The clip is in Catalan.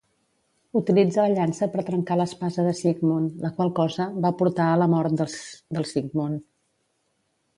Utilitza la llança per trencar l'espasa de Siegmund, la qual cosa va portar a la mort del Siegmund.